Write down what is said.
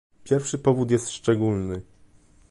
Pierwszy powód jest szczególny